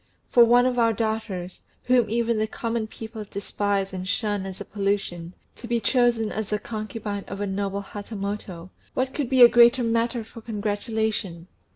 For one of our daughters, whom even the common people despise and shun as a pollution, to be chosen as the concubine of a noble Hatamoto what could be a greater matter for congratulation!"